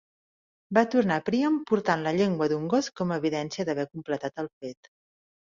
Va tornar a Priam portant la llengua d'un gos com evidència d'haver completat el fet.